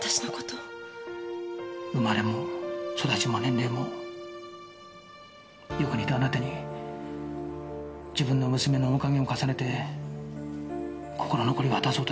生まれも育ちも年齢もよく似たあなたに自分の娘の面影を重ねて心残りを果たそうとしたんです。